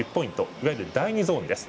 いわゆる第２ゾーンです。